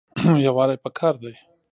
یووالی پکار دی